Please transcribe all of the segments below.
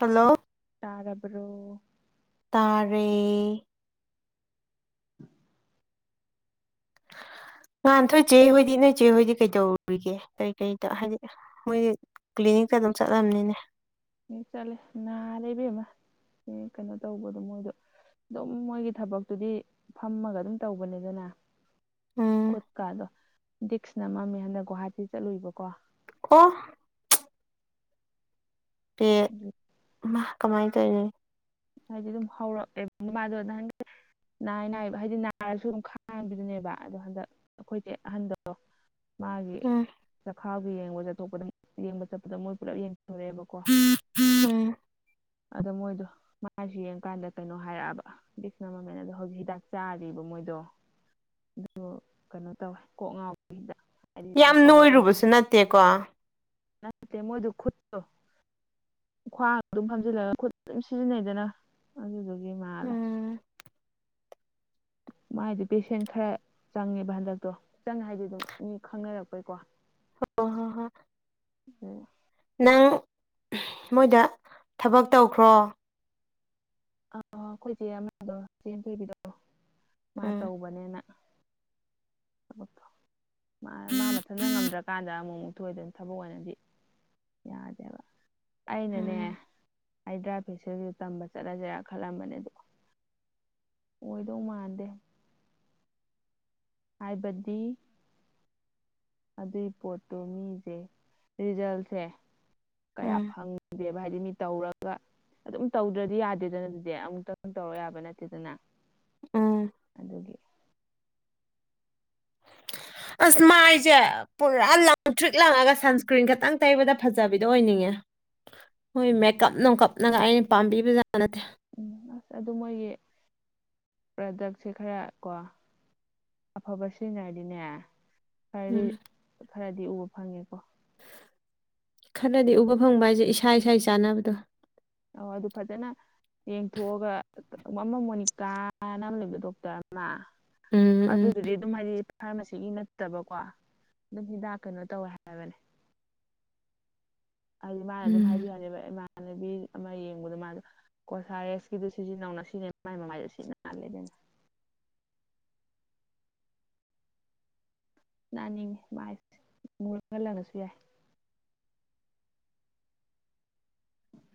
hello ꯇꯔꯕ꯭ꯔꯣ ꯇꯔꯦ [inaudible] [inaudible] ꯅꯥꯟꯊꯣꯏꯆꯦ ꯍꯣꯏꯗꯤ ꯅꯣꯏ ꯆꯦ ꯍꯣꯏꯗꯤ ꯀꯩꯗꯧꯔꯤꯒꯦ ꯀꯔꯤ ꯀꯔꯤꯗ ꯍꯥꯏꯗꯤ ꯃꯣꯏꯗꯤ ꯀꯂꯤ ꯅꯤꯛꯇ ꯑꯗꯨꯝ ꯆꯠꯂꯝꯅꯤꯅꯦ ꯆꯠꯂꯦ ꯅꯥꯔꯦ ꯏꯕꯦꯝꯃꯥ ꯀꯩꯅꯣ ꯇꯧꯕꯗꯣ ꯃꯣꯏꯗꯣ ꯑꯗꯨꯝ ꯃꯣꯏꯒꯤ ꯊꯕꯛꯇꯨꯗꯤ ꯐꯝꯃꯒ ꯑꯗꯨꯝ ꯇꯧꯕꯅꯤꯗꯅ ꯎꯝ ꯈꯨꯠꯀ ꯑꯗꯣ ꯗꯤꯛꯁ ꯅꯃꯝꯃꯦ ꯍꯟꯗꯛ ꯒꯨꯍꯥꯇꯤ ꯆꯠꯂꯨꯏꯕꯀꯣ ꯑꯣ ꯄꯦ ꯏꯃꯥ ꯀꯃꯥꯏꯅ ꯇꯧꯏꯅꯣ ꯍꯥꯏꯗꯤ ꯑꯗꯨꯝ ꯍꯧꯔꯛꯑꯦꯕꯃꯥꯗꯣ ꯅꯍꯥꯟꯈꯩ ꯅꯥꯏ ꯅꯥꯏꯕ ꯍꯥꯏꯗꯤ ꯅꯥꯔꯁꯨ ꯑꯗꯨꯝ ꯈꯥꯡꯕꯤꯗꯨꯅꯦꯕ ꯑꯗꯣ ꯍꯟꯗꯛ ꯑꯩꯈꯣꯏꯆꯦ ꯑꯍꯟꯗꯣ ꯃꯥꯒꯤ ꯎꯝ ꯆꯈꯥꯎꯒꯤ ꯌꯦꯡꯕ ꯆꯠꯊꯣꯛꯄꯗ ꯌꯦꯡꯕ ꯆꯠꯄꯗ ꯃꯣꯏ ꯄꯨꯂꯞ ꯌꯦꯡ ꯨꯔꯦꯕꯀꯣ ꯎꯝ ꯑꯗꯣ ꯃꯣꯏꯗꯣ ꯃꯥꯁꯤ ꯌꯦꯡꯉꯀꯥꯟꯗ ꯀꯩꯅꯣ ꯍꯥꯏꯔꯛꯑꯕ ꯕꯤꯛꯁꯅ ꯃꯃꯦꯟ ꯑꯗꯣ ꯍꯧꯖꯤꯛ ꯍꯤꯗꯥꯛ ꯆꯥꯔꯤꯕ ꯃꯣꯏꯗꯣ ꯑꯗꯨ ꯀꯩꯅꯣ ꯇꯧꯋꯦ ꯀꯣꯛ ꯉꯥꯎꯕꯤꯗ ꯌꯥꯝ ꯅꯣꯏꯔꯨꯕꯁꯨ ꯅꯠꯇꯦꯀꯣ ꯅꯠꯇꯦ ꯃꯣꯏꯗ ꯈꯨꯠꯇꯣ ꯈ꯭ꯋꯥꯡ ꯑꯗꯨꯝ ꯐꯝꯖꯤꯜꯂꯒ ꯈꯨꯠꯇ ꯑꯗꯨꯝ ꯁꯤꯖꯤꯟꯅꯩ ꯑꯗꯨꯒꯤ ꯎꯝ [inaudible] ꯃꯥꯥꯏꯗꯤ ꯄꯦꯁꯦꯟ ꯈꯔ ꯆꯪꯉꯦꯕ ꯍꯟꯗꯛꯇꯣ ꯆꯪꯉ ꯍꯥꯏꯗꯤ ꯑꯗꯨꯝ ꯃꯤ ꯈꯪꯅꯔꯛꯄꯩꯀꯣ ꯍ ꯍꯣ ꯍꯣ ꯅꯪ ꯃꯣꯏꯗ ꯊꯕꯛ ꯇꯧꯈ꯭ꯔꯣ ꯑ ꯑꯩꯈꯣꯏꯆꯦ ꯑꯃꯗꯣ ꯆꯦꯟ ꯄꯕꯤꯗꯣ ꯃꯥ ꯎꯝ ꯇꯧꯕꯅꯦꯅ ꯃꯥ ꯃꯊꯟꯇ ꯉꯝꯗ꯭ꯔꯀꯥꯟꯗ ꯑꯃꯨꯛ ꯊꯊꯣꯏꯗꯅ ꯊꯕꯛ ꯑꯣꯏꯅꯗꯤ ꯌꯥꯗꯦꯕ ꯑꯩꯅꯅꯦ ꯎꯝ ꯍꯥꯏꯗ꯭ꯔꯥ ꯐꯦꯁꯤꯦꯜ ꯇꯝꯕ ꯆꯠꯂꯁꯤꯔꯥ ꯈꯜꯂꯝꯕꯅꯦꯗꯣ ꯑꯣꯏꯗꯧ ꯃꯥꯟꯗꯦ ꯍꯥꯏꯥꯏꯕꯗꯤ ꯑꯗꯨꯏ ꯄꯣꯠꯇꯣ ꯃꯤꯁꯦ ꯔꯤꯖꯜꯁꯦ ꯀꯌꯥ ꯎꯝ ꯐꯪꯗꯦꯕ ꯍꯥꯏꯗꯤ ꯃꯤ ꯇꯧꯔꯒ ꯑꯗꯨꯝ ꯇꯧꯗ꯭ꯔꯗꯤ ꯌꯥꯗꯦꯗꯅ ꯑꯗꯨꯗꯤ ꯑꯃꯨꯛꯇꯪ ꯇꯧꯔ ꯌꯥꯕ ꯅꯠꯇꯦꯗꯅ ꯎꯝ ꯑꯗꯨꯒꯤ [inaudible] ꯑꯁ ꯃꯥꯏꯁꯦ ꯄꯨꯔꯥ ꯂꯪ ꯇ꯭ꯔꯤꯛ ꯂꯪꯉꯒ ꯁꯟꯁꯀ꯭ꯔꯤꯟ ꯈꯛꯇꯪ ꯇꯩꯕꯗ ꯐꯖꯕꯤꯗꯣ ꯑꯣꯏꯅꯤꯡꯉꯦ ꯍꯣꯏ ꯃꯦꯀꯞ ꯅꯅꯨꯡꯀꯞꯅꯒ ꯑꯩꯅ ꯄꯥꯝꯕꯤꯕꯖꯥꯠ ꯅꯠꯇꯦ ꯎꯝ ꯑꯁ ꯑꯗꯨ ꯃꯣꯏꯒꯤ ꯄ꯭ꯔꯗꯛꯁꯦ ꯈꯔ ꯀꯣ ꯑꯐꯕ ꯁꯤꯖꯤꯟꯅꯔꯗꯤꯅꯦ ꯈꯔꯗꯤ ꯎꯝ ꯈꯔꯗꯤ ꯎꯕ ꯐꯪꯉꯦꯀꯣ ꯈꯔꯅꯗꯤ ꯎꯕ ꯐꯪꯕ ꯍꯥꯏꯁꯦ ꯏꯁꯥ ꯏꯁꯥꯒꯤ ꯆꯥꯅꯕꯗꯣ ꯑ ꯑꯗꯨ ꯐꯖꯅ ꯌꯦꯡꯊꯣꯛꯑꯒ ꯃꯃ ꯃꯣꯅꯤꯀꯥ ꯅ ꯑꯃꯥ ꯂꯩꯕ ꯗꯣꯛꯇꯔ ꯑꯃ ꯑꯗꯨ ꯎꯝ ꯎꯝ ꯑꯗꯨꯗꯤ ꯑꯗꯨ ꯃꯔꯤ ꯐꯥꯔꯃꯥꯁꯤꯒꯤ ꯅꯠꯇꯕꯀꯣ ꯑꯗꯨꯝ ꯍꯤꯗꯥꯛ ꯀꯩꯅꯣ ꯇꯧꯋꯦ ꯍꯥꯏꯕꯅꯦ ꯍꯥꯏꯗꯤ ꯃꯥꯅ ꯑꯗꯨꯝ ꯎꯝ ꯍꯥꯏꯕꯤ ꯌꯥꯅꯦꯕ ꯏꯃꯥꯟꯅꯕꯤ ꯑꯃ ꯌꯦꯡꯕꯗ ꯃꯥꯗ ꯀꯣꯁꯥ ꯔꯦꯁꯀꯤꯗꯨ ꯁꯤꯖꯤꯟꯅꯧ ꯉꯁꯤꯅꯦ ꯃꯥꯏ ꯃꯃꯥꯏꯗ ꯁꯤꯠ ꯅꯥꯂꯦꯗꯅ [unintelligible] ꯅꯥꯅꯤꯡꯉꯦ ꯃꯥꯏꯁꯦ ꯃꯥꯡꯒꯜꯂꯛꯂꯁꯨ ꯌꯥꯏ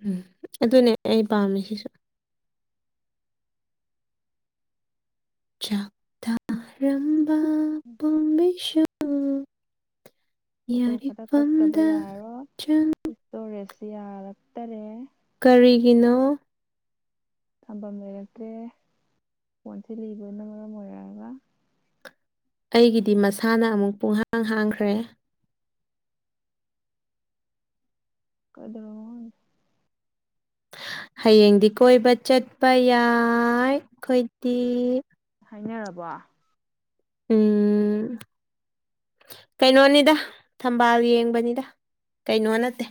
ꯎꯝ ꯑꯗꯨꯅꯦ ꯑꯩ ꯄꯥꯝꯃꯤ ꯁꯤꯁꯨ ꯆꯛꯇꯔꯝꯕꯥ ꯄꯣꯝꯕꯤꯁꯨ ꯐꯣꯇꯣ ꯈꯔ ꯀꯛꯇꯕ ꯌꯥꯔꯤꯐꯝꯗ ꯌꯥꯔꯣꯏ ꯆꯪ ꯏꯁꯇꯣꯔꯦꯖꯁꯤ ꯌꯥꯔꯛꯇꯔꯦ ꯀꯔꯤꯒꯤꯅꯣ ꯊꯝꯐꯝ ꯂꯩꯔꯛꯇ꯭ꯔꯦ ꯐꯣꯟꯁꯦ ꯂꯤꯕꯗꯨꯅ ꯃꯔꯝ ꯑꯣꯏꯔꯒ ꯑꯩꯒꯤꯗꯤ ꯃꯁꯥꯅ ꯑꯃꯨꯛ ꯄꯨꯡꯍꯥꯡ ꯍꯥꯡꯈ꯭ꯔꯦ ꯀꯗꯧꯔꯕꯅꯣ ꯈꯪꯗꯦ ꯍꯌꯦꯡꯗꯤ ꯀꯣꯏꯕ ꯆꯠꯄ ꯌꯥꯏ ꯑꯩꯈꯣꯏꯗꯤ ꯍꯥꯏꯅꯔꯕ ꯎꯝ ꯀꯩꯅꯣꯅꯤꯗ ꯊꯝꯕꯥꯜ ꯌꯦꯡꯕꯅꯤꯗ ꯀꯩꯅꯣ ꯅꯠꯇꯦ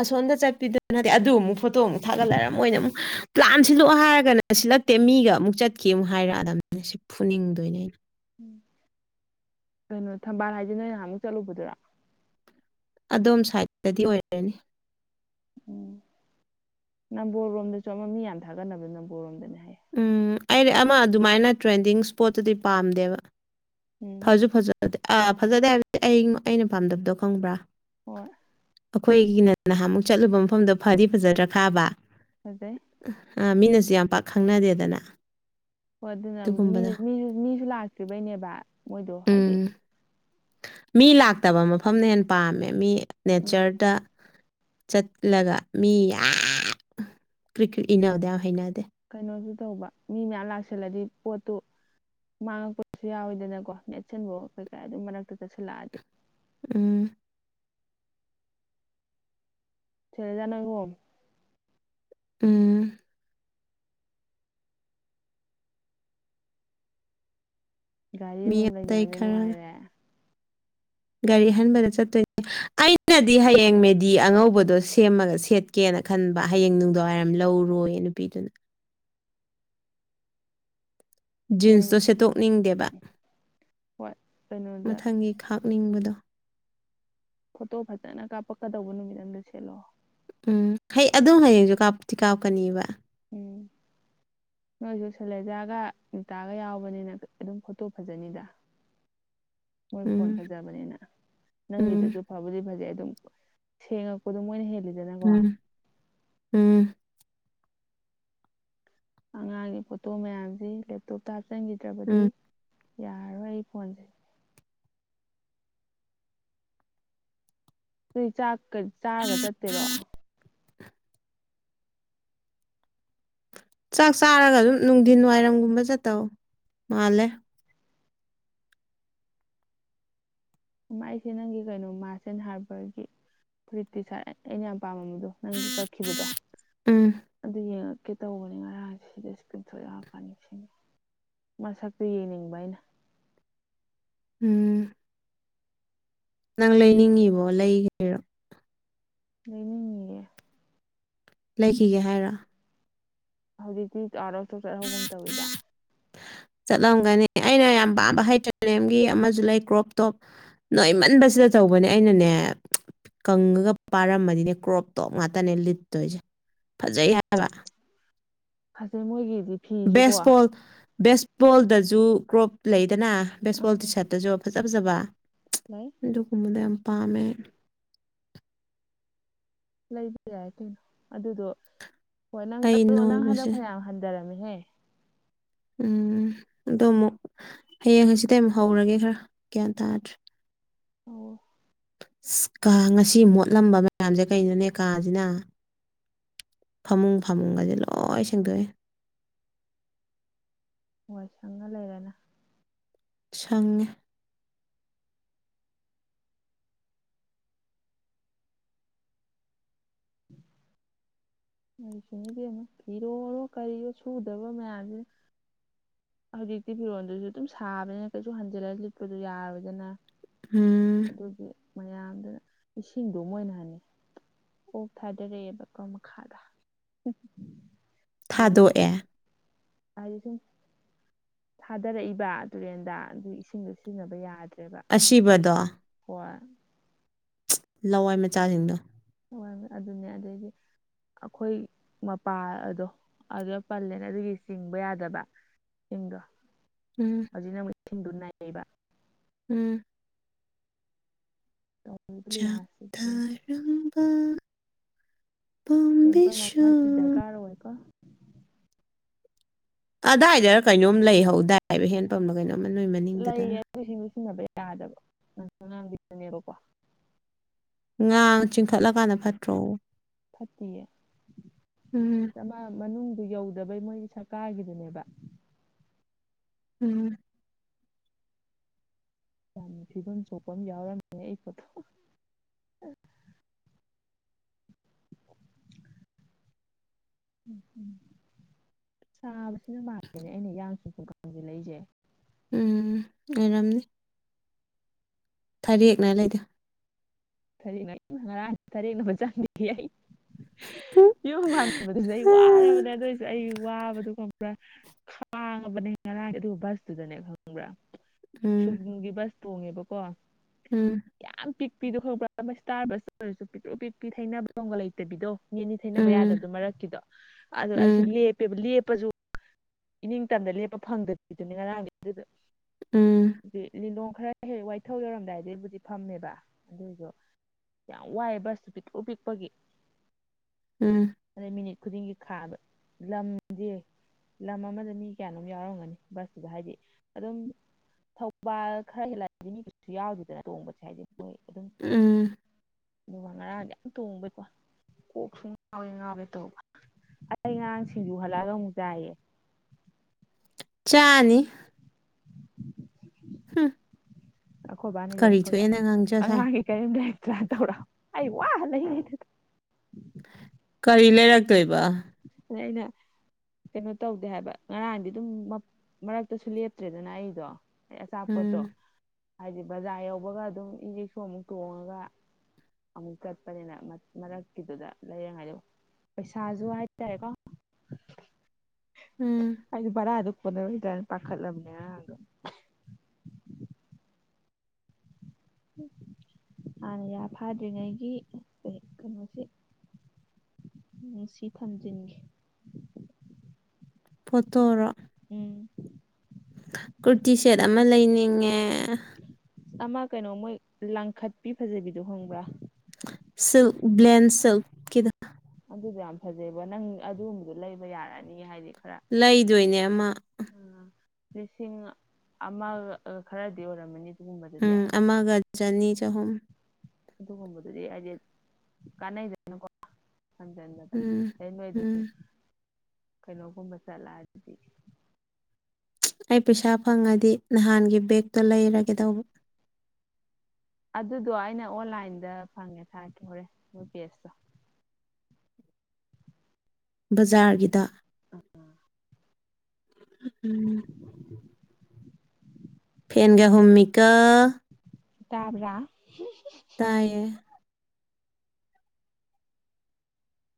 ꯑꯁꯣꯝꯗ ꯆꯠꯄꯤꯗꯅꯠꯇꯗꯤ ꯑꯗꯨ ꯑꯃꯨꯛ ꯐꯣꯇꯣ ꯑꯃꯨꯛ ꯊꯥꯒꯠꯂꯔ ꯃꯣꯏꯅ ꯑꯃꯨꯛ ꯄ꯭ꯂꯥꯟ ꯁꯤꯜꯂꯣꯛꯑꯣ ꯍꯥꯏꯔꯒꯅ ꯁꯤ ꯅꯠꯇꯦ ꯃꯤꯒ ꯑꯃꯨꯛ ꯆꯠꯈꯤ ꯑꯃꯨꯛ ꯍꯥꯏꯔꯛꯑꯗꯅꯤꯅ ꯁꯤ ꯐꯨꯅꯤꯡꯗꯣꯏꯅꯦ ꯑꯩꯅ ꯀꯩꯅꯣ ꯊꯝꯕꯥꯜ ꯍꯥꯏꯁꯤ ꯅꯣꯏ ꯅꯍꯥꯟ ꯑꯃꯨꯛ ꯆꯠꯂꯨꯕꯗꯨꯔ ꯑꯗꯣꯝ ꯁꯥꯏꯗꯠꯇꯗꯤ ꯑꯣꯏꯔꯅꯤ ꯎꯝ ꯅꯝꯕꯣꯜ ꯔꯣꯝꯗꯁꯨ ꯑꯃ ꯃꯤ ꯌꯥꯝꯟ ꯊꯥꯒꯠꯅꯕ ꯅꯝꯕꯣꯜꯔꯣꯝꯗꯅꯦ ꯎꯝ ꯑꯩ ꯑꯃ ꯑꯗꯨꯃꯥꯏꯅ ꯇ꯭ꯔꯦꯟꯗꯤꯡ ꯏꯁꯄꯣꯠꯇꯗꯤ ꯄꯥꯝꯗꯦꯕ ꯎꯝ ꯐꯁꯨ ꯐꯖꯗꯦ ꯑꯥ ꯐꯖꯗꯦ ꯍꯥꯏꯕꯗꯤ ꯑꯩ ꯑꯩꯅ ꯄꯥꯝꯗꯕꯗꯣ ꯈꯪꯕ꯭ꯔꯥ ꯍꯣꯏ ꯑꯩꯈꯣꯏꯒꯤꯅ ꯅꯍꯥꯟꯃꯨꯛ ꯆꯠꯂꯨꯕ ꯃꯐꯝꯗꯣ ꯐꯗꯤ ꯐꯖꯗ꯭ꯔꯥ ꯈꯥꯕ ꯑꯗꯦ ꯑꯥ ꯃꯤꯅꯁꯨ ꯌꯥꯝ ꯄꯥꯛ ꯈꯪꯅꯗꯦꯗꯅ ꯍꯣꯏ ꯑꯗꯨꯅꯁꯨ ꯑꯗꯨꯒꯨꯝꯕꯗꯣ ꯃꯤꯁꯨ ꯂꯥꯛꯇ꯭ꯔꯤꯕꯩꯅꯦꯕ ꯃꯣꯏꯗꯣ ꯍꯥꯏꯗꯤ ꯎꯝ ꯃꯤ ꯂꯥꯛꯇꯕ ꯃꯐꯝꯅ ꯍꯦꯟꯅ ꯄꯥꯝꯃꯦ ꯃꯤ ꯎꯝ ꯅꯦꯆꯔꯗ ꯆꯠꯂꯒ ꯃꯤ ꯌꯥꯝ ꯀ꯭ꯔꯤ ꯀ꯭ꯔꯤ ꯏꯟꯅꯧꯗ ꯌꯥꯝ ꯍꯩꯅꯗꯦ ꯀꯩꯅꯣꯁꯨ ꯇꯧꯕ ꯃꯤ ꯃꯌꯥꯝ ꯂꯥꯛꯁꯜꯂꯗꯤ ꯄꯣꯠꯇꯨ ꯃꯥꯡꯉꯛꯄꯁꯨ ꯌꯥꯎꯋꯤꯗꯅꯀꯣ ꯅꯦꯠꯁꯤꯟꯕ ꯀꯩꯀꯥ ꯑꯗꯨꯝ ꯃꯔꯛꯇ ꯆꯠꯁꯨꯜꯂꯛꯑꯗꯤ ꯎꯝ ꯆꯔꯖꯅꯒꯣꯝ ꯎꯝ ꯒꯥꯔꯤ ꯃꯤ ꯑꯃꯃꯝ ꯑꯇꯩ ꯂꯩꯅꯅꯦ ꯈꯔꯒ ꯅꯨꯡꯉꯥꯏꯔꯦ ꯒꯥꯔꯤ ꯍꯟꯕꯗ ꯆꯠꯇꯣꯏꯅꯦ ꯑꯩꯅꯗꯤ ꯍꯌꯦꯡ ꯃꯦꯗꯤ ꯑꯉꯧꯕꯗꯣ ꯁꯦꯝꯃꯒ ꯁꯦꯠꯀꯦꯅ ꯅ ꯈꯟꯕ ꯍꯌꯦꯡ ꯅꯨꯡꯗꯥꯡꯋꯥꯏꯔꯝ ꯂꯧꯔꯣꯏꯌꯦ ꯅꯨꯄꯤꯗꯨꯅ ꯅꯣꯏ ꯖꯤꯟꯁꯇꯣ ꯁꯦꯠꯇꯣꯛꯅꯤꯡꯗꯦꯕ ꯍꯣꯏ ꯀꯩꯅꯣꯗ ꯃꯊꯪꯒꯤ ꯈꯥꯛꯅꯤꯡꯕꯗꯣ ꯐꯣꯇꯣ ꯐꯖꯅ ꯀꯥꯞꯄꯛꯀꯗꯧꯕ ꯅꯨꯃꯤꯠ ꯑꯗ ꯁꯦꯠꯂꯣ ꯎꯝ ꯍ ꯑꯗꯨꯝ ꯍꯌꯦꯡꯁꯨ ꯀꯥꯞꯇꯤ ꯀꯥꯞꯀꯅꯤꯕ ꯎꯝ [unintelligible] ꯅꯣꯏꯁꯨ ꯁꯦꯂꯦꯖꯥꯒ ꯅꯤꯇꯥꯒ ꯌꯥꯎꯕꯅꯤꯅ ꯑꯗꯨꯝ ꯐꯣꯇꯣ ꯐꯖꯅꯤꯗ [unintelligible] ꯃꯣꯏ ꯎꯝ ꯐꯣꯟ ꯐꯖꯕꯅꯤꯅ ꯎꯝ ꯅꯪꯒꯤꯗꯨꯁꯨ ꯐꯕꯨꯗꯤ ꯐꯖꯩ ꯁꯦꯡꯉꯛꯄꯗ ꯃꯣꯏꯅ ꯍ ꯎꯝ ꯎꯝ ꯑꯉꯥꯡꯒꯤ ꯐꯣꯇꯣ ꯃꯌꯥꯝꯁꯤ ꯂꯦꯞꯇꯣꯞꯇ ꯍꯥꯞꯆꯤꯟꯈꯤꯗ꯭ꯔꯕꯗꯤ ꯎꯝ ꯌꯥꯔꯣꯏ ꯑꯩ ꯐꯣꯟꯁꯩꯦ ꯁꯤ ꯆꯥꯛ ꯆꯥꯔꯒ ꯆꯠꯇꯦꯔꯣ ꯆꯥꯛ ꯆꯥꯔꯒ ꯑꯗꯨꯝ ꯅꯨꯡꯊꯤꯟ ꯋꯥꯏꯔꯝꯒꯨꯝꯕ ꯆꯠꯇꯧ ꯃꯥꯜꯂꯦ ꯑꯩꯁꯦ ꯅꯪꯒꯤ ꯀꯩꯅꯣ ꯃꯥꯔꯁ ꯑꯦꯟ ꯍꯥꯚꯔꯒꯤ ꯐꯨꯔꯤꯠꯇꯤ ꯁꯥ ꯑꯩꯅ ꯌꯥꯝ ꯑꯄꯥꯝꯕꯝꯕꯗꯣ ꯅꯪꯒꯤ ꯀꯛꯈꯤꯕꯗꯣ ꯎꯝ ꯑꯗꯨꯡꯉ ꯀꯦ ꯇꯧꯕꯅꯤ ꯉꯔꯥꯡꯁ ꯁꯤꯗ ꯏꯁꯀ꯭ꯔꯤꯝꯊ ꯊꯣꯛ ꯌꯥꯛꯔꯀꯅꯤ ꯁꯤꯅꯤ ꯃꯁꯛꯇꯨ ꯌꯦꯡꯅꯤꯡꯕ ꯑꯩꯅ ꯎꯝ ꯅꯪ ꯂꯩꯅꯤꯡꯉꯤꯕꯣ ꯂꯩꯒꯦꯔꯣ ꯂꯩꯅꯤꯡꯉ ꯂꯩꯈꯤꯒꯦ ꯍꯥꯏꯔ ꯍꯧꯖꯤꯛꯇꯤ ꯑꯥꯔꯇꯣꯛꯇ ꯍꯒꯨꯝ ꯇꯧꯋꯤꯗ [unintelligible] ꯆꯠꯂꯝꯒꯅꯤ ꯑꯩꯅ ꯌꯥꯝ ꯄꯥꯝꯕ ꯍꯩꯇ꯭ꯔꯒꯤ ꯑꯃꯁꯨ ꯂꯩ ꯀ꯭ꯔꯣꯞ ꯇꯣꯞ ꯅꯣꯏ ꯃꯟꯕꯁꯤꯗ ꯇ ꯇꯧꯕꯅꯦ ꯑꯩꯅꯅꯦ ꯀꯪꯉꯒ ꯄꯥꯔꯝꯃꯗꯤꯅꯦ ꯀ꯭ꯔꯣꯞꯇꯣ ꯉꯇꯅꯦ ꯂꯤꯠꯇꯣꯏꯁꯦ ꯐꯖꯩ ꯍꯥꯏꯕ ꯐꯖꯩ ꯃꯣꯏꯒꯤꯗꯤ ꯐꯤꯁꯨꯀꯣ ꯕꯦꯁꯕꯣꯜꯗꯖ ꯀ꯭ꯔꯣꯞ ꯂꯩꯗꯅ ꯕꯦꯁꯕꯣꯜ ꯇꯤ ꯁꯥꯔꯠꯇꯁꯨ ꯐꯖ ꯐꯖꯕ ꯂꯩ ꯗꯨ ꯀꯨꯃꯗ ꯌꯥꯝ ꯄꯥꯝꯃꯦ ꯂꯩꯕ ꯌꯥꯏ ꯀꯩꯅꯣ ꯑꯗꯨꯗꯣ ꯍꯣꯏ ꯅꯪ ꯑꯩ ꯑꯗꯣ ꯅꯪ ꯍꯟꯗꯛ ꯅꯣꯏꯕꯁꯦ ꯐꯅꯌꯥꯝ ꯍꯟꯊꯔꯝꯃꯤ ꯍ ꯎꯝ ꯑꯗꯣ ꯑꯃꯨꯛ ꯍꯌꯦꯡ ꯉ ꯑꯁꯤꯗ ꯑꯃꯨꯛ ꯍꯧꯔꯒꯦ ꯈꯔ ꯒ꯭ꯌꯥꯟ ꯇꯥꯗ꯭ꯔꯦ ꯑꯣ ꯀꯥ ꯉꯁꯤ ꯃꯣꯠꯂꯝꯕ ꯃꯌꯥꯝꯁꯦ ꯀꯩꯅꯣꯅꯦ ꯀꯥꯁꯤꯅ ꯐꯃꯨꯡ ꯐꯃꯨꯡ ꯑꯁꯦ ꯂꯣꯏ ꯁꯦꯡꯗꯣꯛꯏ ꯋꯥꯣꯏ ꯁꯪꯉ ꯂꯩꯔꯅ ꯁꯉ ꯂꯩꯔꯤꯁꯨꯅꯤꯗꯤ ꯑꯃꯨꯛ ꯏꯤꯔꯣꯔꯣ ꯀꯔꯤꯔꯣ ꯁꯨꯗꯕ ꯃꯌꯥꯝꯁꯤ ꯍꯧꯖꯤꯛꯇꯤ ꯐꯤꯔꯣꯟꯜꯗꯨꯁꯨ ꯑꯗꯨꯝ ꯁꯥꯕꯅꯤꯅ ꯀꯩꯁꯨ ꯍꯟꯖꯤꯜꯂꯒ ꯂꯤꯠꯄꯗꯨꯣ ꯌꯥꯔꯗꯅ ꯎꯝ ꯃꯌꯥꯝꯗꯨꯅ ꯏꯁꯤꯡꯗꯣ ꯃꯣꯏꯅꯍꯟꯅꯤ ꯑꯣ ꯐꯥꯗꯔꯛꯑꯦꯕ ꯀ ꯃꯈꯥꯗ ꯑꯗꯨꯗꯨꯒꯤ ꯊꯥꯗꯣꯛꯑꯦ ꯍꯥꯏꯗꯤ ꯁꯨꯝ ꯊꯥꯗꯔꯛꯏꯕ ꯇꯨꯔꯦꯟꯗ ꯑꯗꯨ ꯏꯁꯤꯡꯗꯣ ꯁꯤꯖꯤꯟꯅꯕ ꯌꯥꯗ꯭ꯔꯦ ꯆꯕ ꯑꯁꯤꯕꯗꯣ ꯍꯋꯥ ꯂꯋꯥꯏ ꯃꯆꯥꯁꯤꯡꯗꯣ ꯍ ꯑꯗꯨꯅꯦ ꯑꯗꯨꯗꯩꯗꯤ ꯑꯩꯈꯣꯏ ꯃꯄꯥ ꯑꯗꯣ ꯑꯗꯨꯗ ꯄꯜꯂꯦꯅ ꯑꯗꯨꯒꯤ ꯆꯤꯡꯕ ꯌꯥꯗꯕ ꯁꯤꯡꯗꯣ ꯎꯝ ꯍꯧꯖꯤꯛꯅ ꯑꯃꯨꯛ ꯏꯁꯤꯡꯗꯣ ꯅꯩꯌꯦꯕ ꯎꯝ ꯇꯧꯔꯤꯕ ꯂꯤꯂꯥꯁꯤꯗꯤ ꯥꯛꯥꯛꯊꯔꯝꯝꯕ ꯍꯦꯟꯐꯝ ꯃꯜꯗꯤ ꯗꯔꯀꯥꯔ ꯑꯣꯏꯀꯣ ꯑꯗꯥꯏꯗꯔ ꯀꯩꯅꯣꯝ ꯂꯩꯍꯧꯗꯥꯏꯕ ꯍꯦꯟꯄꯝꯗ ꯀꯩꯅꯣꯝꯃ ꯅꯣꯏ ꯃꯅꯤꯡꯗꯨꯗꯔ ꯂꯩꯌꯦ ꯑꯗꯨ ꯏꯁꯤꯡꯗꯣ ꯁꯤꯖꯤꯟꯅꯕ ꯌꯥꯗꯕ ꯅꯪ ꯅꯪ ꯂꯤ ꯆꯅꯤꯔꯨꯀꯣ ꯉꯥ ꯆꯤꯡꯈꯠꯂꯀꯥꯟꯗ ꯐꯠꯇ꯭ꯔꯣ ꯐꯠꯇꯌꯦ ꯎꯝ ꯆꯃ ꯃꯅꯨꯡ ꯑꯗꯨ ꯌꯧꯗꯕꯩ ꯃꯣꯏꯒꯤ ꯁꯔꯀꯥꯔꯒꯤꯗꯨꯅꯦꯕ ꯎꯝ ꯌꯥꯝ ꯐꯤꯕꯝ ꯁꯣꯛꯄ ꯑꯃ ꯌꯥꯎꯔꯝꯃꯦ ꯑꯩ ꯄꯣꯠꯇꯣ [unintelligible] ꯎꯝ ꯎꯝ ꯆ ꯁꯥꯕꯁꯤꯅ ꯃꯥꯥꯟꯦꯅꯦ ꯑꯩꯅ ꯌꯥꯝꯁꯨ ꯈꯨꯡꯒꯁꯦ ꯂꯩꯁꯦ ꯎꯝ ꯑꯣꯏꯔꯝꯗꯤ ꯊꯔ ꯌꯦꯅꯥꯏ ꯂꯩꯗꯦ ꯁꯔꯤꯅ ꯁꯔꯅꯝꯕ ꯆꯥ ꯌꯨꯝ ꯍꯅꯤꯡꯕꯗꯨꯁꯨ ꯑꯩ ꯎꯝ ꯋꯥꯔꯕꯅꯦ ꯑꯗꯨꯑꯣꯏꯁꯨ ꯑꯩ ꯋꯥꯕꯗꯨꯒ ꯄꯨꯔꯥ ꯈꯥꯡꯉꯕꯅꯦ ꯉꯔꯥꯡ ꯑꯗꯨꯒ ꯕꯁꯇꯨꯗꯅꯦ ꯈꯪꯕ꯭ꯔꯥ ꯁꯨꯒꯨꯝꯒꯤ ꯕꯁ ꯇꯣꯡꯉꯦꯕꯀꯣ ꯎꯝ ꯄꯄꯤꯤꯗꯣ ꯈꯔꯛꯄꯥ ꯇꯥꯔꯁꯨ ꯑꯣꯏꯔꯁꯨ ꯄꯤꯛ꯭ꯔꯎ ꯄꯤꯛꯄꯤ ꯊꯩꯅꯅꯕꯗꯣꯝꯒ ꯂꯩꯇꯕꯤꯗꯣ ꯅꯅꯤ ꯊꯩꯅꯕ ꯎꯝ ꯌꯥꯗꯕꯗꯨꯣ ꯃꯔꯛꯀꯤꯗꯣ ꯑꯗꯣ ꯑꯩꯁ ꯎꯝ ꯂꯦꯞꯄꯦꯕ ꯂꯦꯞꯄꯁꯨ ꯏꯅꯤꯡꯇꯝꯗ ꯂꯦꯞꯄ ꯐꯪꯗ꯭ꯔꯤꯗꯨꯅꯤ ꯉꯔꯥꯡꯒꯤ ꯑꯗꯨꯗ ꯎꯝ ꯗꯤ ꯂꯤꯂꯣꯡ ꯈꯔ ꯍꯦꯛ ꯋꯥꯏꯊꯧ ꯌꯧꯔꯝꯗꯥꯏꯗꯕꯨꯗꯤ ꯐꯝꯃꯦꯕ ꯑꯗꯨꯏꯁꯨ ꯌꯥꯝ ꯋꯥꯏꯑꯦ ꯕꯁꯇꯨ ꯄꯤꯛꯎ ꯄꯤꯛꯄꯒꯤ ꯎꯝ ꯑꯗꯩ ꯃꯤꯅꯤꯠ ꯈꯨꯗꯤꯡꯒꯤ ꯈꯥꯕ ꯂꯝꯗꯤꯦ ꯂꯝ ꯑꯃꯗ ꯃꯤ ꯀꯌꯥꯅꯣꯝ ꯌꯥꯎꯔꯝꯒꯅꯤ ꯕꯁꯇꯨꯗ ꯍꯥꯏꯗꯤ ꯑꯗꯨꯝ ꯊꯧꯕꯥꯜ ꯈꯔ ꯍꯂꯗꯤ ꯃꯤ ꯀꯁꯨ ꯌꯥꯎꯗꯦꯗꯅ ꯇꯣꯡꯕꯁꯦ ꯍꯥꯏꯗꯤ ꯃꯣꯏ ꯑꯗꯨꯝ ꯎꯝ ꯑꯗꯨꯒ ꯉꯔꯥꯡꯗꯤ ꯌꯥꯝ ꯇꯣꯡꯕꯩꯀꯣ ꯀꯣꯛꯁꯨ ꯉꯥꯎꯋꯦ ꯉꯥꯎꯔꯦ ꯇꯧꯕ ꯑꯩꯇꯩ ꯉꯔꯥꯡ ꯁꯤꯡꯖꯨ ꯍꯜꯂꯛꯑꯒ ꯑꯃꯨꯛ ꯆꯥꯏꯌꯦ ꯆꯥꯅꯤ ꯍꯝ ꯑꯩꯈꯣꯏꯕꯥꯅ ꯌꯧꯔꯛꯄꯒ ꯁꯥꯏ ꯑꯉꯥꯡꯒꯤ ꯀꯔꯤꯝꯇ ꯇꯧꯔ ꯑꯩ ꯋꯥ ꯂꯩꯗ ꯀꯔꯤ ꯂꯩꯔꯛꯇꯣꯏꯕ ꯂꯩꯗ ꯀꯩꯅꯣ ꯇꯧꯗꯦ ꯍꯥꯏꯕ ꯉꯔꯥꯡꯗꯤ ꯑꯗꯨꯝ ꯃꯔꯛꯇꯁꯨ ꯂꯦꯞꯇ꯭ꯔꯦꯗꯅ ꯑꯩꯗꯣ ꯑꯩ ꯎꯝ ꯑꯆꯥꯄꯣꯠꯇꯣ ꯍꯥꯏꯗꯤ ꯕꯖꯥꯔ ꯌꯧꯕꯒ ꯑꯗꯨꯝ ꯏꯦꯛꯁꯨ ꯑꯃꯨꯛ ꯇꯣꯡꯉꯒ ꯑꯃꯨꯛ ꯀꯠꯄꯅꯤꯅ ꯃꯔꯛꯀꯤꯗꯨꯗ ꯂꯩꯔꯉꯩꯗ ꯄꯩꯁꯥꯁꯨ ꯍꯥꯏ ꯑꯒ ꯎꯝ ꯑꯩꯄꯔ ꯑꯗꯨꯗ ꯗ ꯇꯅ ꯄꯥꯈꯠ ꯂꯕꯅꯦ ꯍꯥꯟꯅ ꯌꯥ ꯐꯥꯗ꯭ꯔꯤꯉꯩꯒꯤ ꯀꯩꯅꯣꯁꯤ ꯎꯝ ꯁꯤ ꯊꯝꯖꯅꯤꯡꯒꯦ ꯐꯠꯇꯣꯔꯥ ꯀꯨꯔꯇꯤ ꯁꯦꯠ ꯑꯃ ꯂꯩꯅꯤꯡꯉꯦ ꯑꯃ ꯀꯩꯅꯣ ꯃꯣꯏ ꯂꯥꯡꯈꯠꯄꯤ ꯐꯖꯕꯤꯗꯣ ꯍꯪꯕ꯭ꯔꯥ ꯁꯤꯜ ꯕ꯭ꯂꯦꯟ ꯁꯤꯜ ꯀꯗ ꯑꯗꯨꯁꯨ ꯌꯥꯝ ꯐꯖꯩꯑꯕ ꯅꯪ ꯑꯗꯨꯒꯨꯝꯕꯗꯣ ꯂꯩꯕ ꯌꯥꯔꯅꯤ ꯍꯥꯏꯗꯤ ꯈꯔ ꯂꯩꯗꯣꯏꯅꯦ ꯑꯃ ꯎꯝ ꯂꯤꯁꯤꯡ ꯑꯃꯒ ꯈꯔꯗꯤ ꯑꯣꯏꯔꯝꯃꯅꯤ ꯑꯗꯨꯒꯨꯝꯕꯗꯨꯗꯤ ꯎꯝ ꯑꯃꯒ ꯆꯅꯤ ꯆꯍꯨꯝ ꯑꯗꯨꯒꯨꯝꯕꯗꯨꯗꯤ ꯍꯥꯏꯗꯤ ꯀꯥꯟꯅꯩꯗꯅꯀꯣ ꯍꯗꯗ ꯎꯝ ꯑꯦꯅꯣꯏ ꯎꯝ ꯀꯩꯅꯩꯅꯣꯕꯨ ꯃꯁꯂꯥ ꯑꯗꯨ ꯑꯗꯨꯗꯤ ꯑꯩ ꯄꯩꯁꯥ ꯐꯪꯉꯗꯤ ꯅꯍꯥꯟꯒꯤ ꯕꯦꯒꯛꯇꯣ ꯂꯩꯔꯒꯦ ꯇꯧꯕ ꯑꯗꯨꯗꯣ ꯑꯩꯅ ꯑꯣꯟꯂꯥꯏꯟꯗ ꯐꯪꯉꯦ ꯊꯔꯦ ꯍꯣꯔꯦ ꯃꯣꯏ ꯄꯦꯖꯇꯣ ꯕꯖꯥꯔꯒꯤꯗ ꯎꯝ ꯐꯦꯟꯒ ꯍꯣꯃꯤꯀꯥ ꯇꯔ ꯇꯥꯏꯌꯦ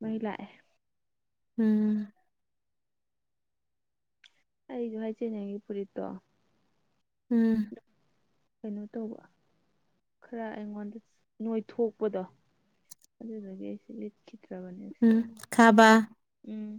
ꯃꯂꯑ ꯎꯝ ꯑꯩꯁꯨ ꯍꯥꯏ ꯆꯦꯅꯦ ꯄꯨꯔꯤꯠꯇꯣ ꯎꯝ ꯀꯩꯅꯣ ꯇꯧꯕ ꯈꯔ ꯑꯩꯉꯣꯟꯗ ꯅꯣꯏꯊꯣꯛꯄꯗꯣ ꯑꯗꯨꯗꯒꯤ ꯑꯩꯁ ꯂꯤꯠ ꯭ꯔꯅꯤ ꯎꯝ ꯈꯥꯕ ꯎꯝ